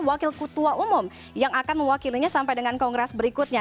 wakil ketua umum yang akan mewakilinya sampai dengan kongres berikutnya